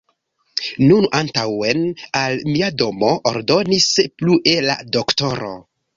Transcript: Nun antaŭen al mia domo, ordonis plue la doktoro.